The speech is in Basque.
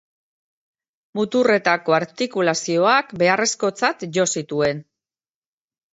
Muturretako artikulazioak beharrezkotzat jo zituen.